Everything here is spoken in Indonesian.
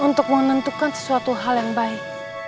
untuk menentukan sesuatu hal yang baik